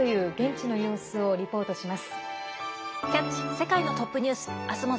世界のトップニュース」。